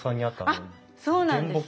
あっそうなんです。